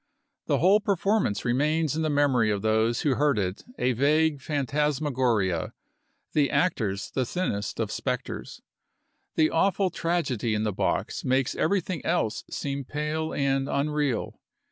The whole performance chap. xiv. remains in the memory of those who heard it a vague phantasmagoria, the actors the thinnest of specters. The awful tragedy in the box makes Api.u,i865. everything else seem pale and unreal.